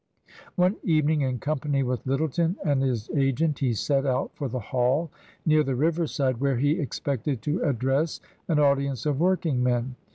One evening, in company with L5^1eton and his agent, he set out for the hall near the riverside, where he ex pected to address an audience of working men.